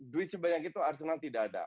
duit sebanyak itu arsenal tidak ada